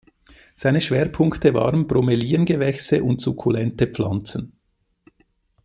Seine Schwerpunkte waren Bromeliengewächse und sukkulente Pflanzen.